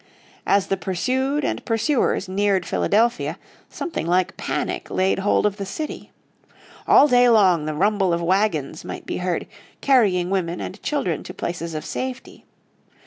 As the pursued and pursuers neared Philadelphia something like panic laid hold of the city. All day long the rumble of wagons might be heard carrying women and children to places of safety.